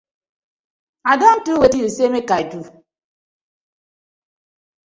I don do wetin yu say mak I do.